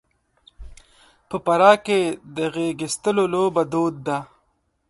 په فراه کې د غېږاېستلو لوبه دود ده.